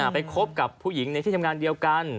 คบกับผู้หญิงในที่ทำงานเดียวกัน